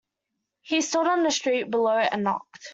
He stood on the street below and knocked.